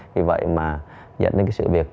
vì vậy mà dẫn đến cái sự việc